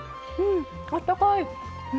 あったかい！